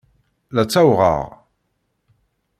La ttawɣeɣ.